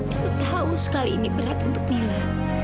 aku tahu sekali ini berat untuk mila